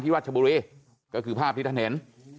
รัชบุรีก็คือภาพที่ท่านเห็น